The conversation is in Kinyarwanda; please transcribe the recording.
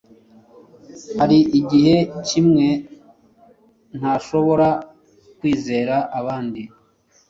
Hari igihe kimwe ntashobora kwizera abandi